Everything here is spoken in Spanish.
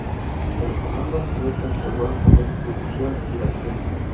El comando a su vez lo entregó al poder judicial iraquí.